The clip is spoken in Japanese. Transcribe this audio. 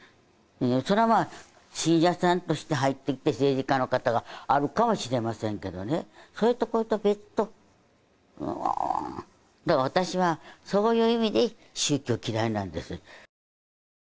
そりゃまあ信者さんとして入ってきて政治家の方があるかもしれませんけどねそれとこれと別と私はそういう意味で宗教嫌いなんです